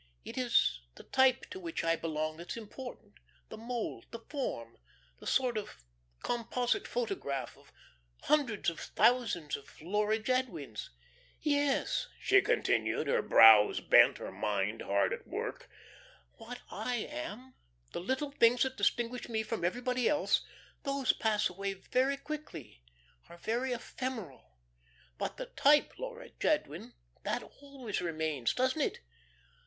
It is the type to which I belong that's important, the mould, the form, the sort of composite photograph of hundreds of thousands of Laura Jadwins. Yes," she continued, her brows bent, her mind hard at work, "what I am, the little things that distinguish me from everybody else, those pass away very quickly, are very ephemeral. But the type Laura Jadwin, that always remains, doesn't it?